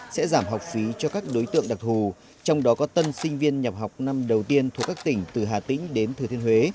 sẽ giảm học phí cho các đối tượng đặc thù trong đó có tân sinh viên nhập học năm đầu tiên thuộc các tỉnh từ hà tĩnh đến thừa thiên huế